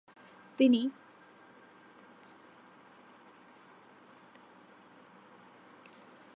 Test ক্রিকেটে তিনি Pakistan cricket দলের সহ-অধিনায়ক হিসেবে দায়িত্ব পালন করছেন।